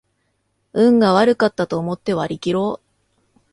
運が悪かったと思って割りきろう